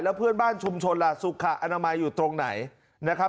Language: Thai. เพื่อนบ้านชุมชนล่ะสุขอนามัยอยู่ตรงไหนนะครับ